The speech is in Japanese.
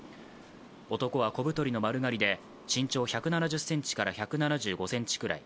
男は小太りの丸刈りで身長１７０ｃｍから１７５ｃｍぐらい。